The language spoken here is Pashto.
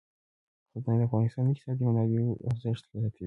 غزني د افغانستان د اقتصادي منابعو ارزښت زیاتوي.